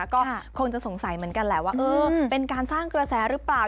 ก็คงจะสงสัยเหมือนกันแหละว่าเออเป็นการสร้างกระแสหรือเปล่า